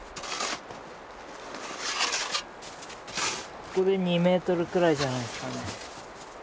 ここで２ｍくらいじゃないですかね。